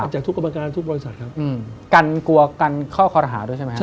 จากทุกกระบวนการทุกบริษัทครับกันกลัวกันข้อคอรหาด้วยใช่ไหมครับ